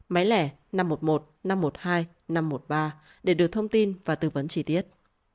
máy lẻ năm trăm một mươi một năm trăm một mươi hai năm trăm một mươi ba để được thông tin và tư vấn chi tiết